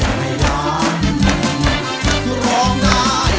สวัสดีค่ะ